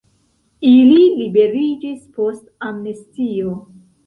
Ili liberiĝis post amnestio.